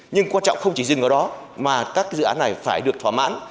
nhưng quan trọng không chỉ dừng ở đó mà các dự án này phải được thỏa mãn